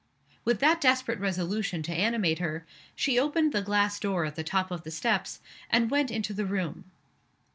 _" With that desperate resolution to animate her, she opened the glass door at the top of the steps, and went into the room.